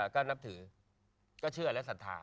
ก็นับถือก็ชื่อแล้วสันทาน